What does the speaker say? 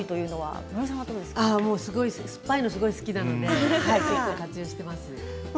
酸っぱいのすごい好きなので注目しています。